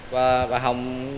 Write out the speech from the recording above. và bà hồng